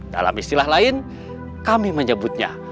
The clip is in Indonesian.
dalam istilah lain kami menyebutnya